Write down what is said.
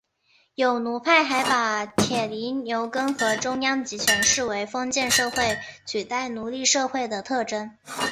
有奴派还把铁犁牛耕和中央集权视为封建社会取代奴隶社会的特征。